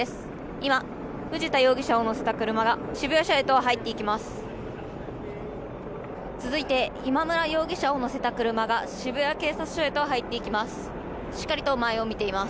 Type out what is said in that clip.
今、藤田容疑者を乗せた車が渋谷署へと入っていきます。